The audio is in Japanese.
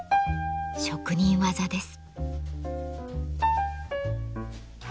職人技です。